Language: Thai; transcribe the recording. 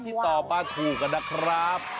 ที่ตอบมาถูกกันนะครับ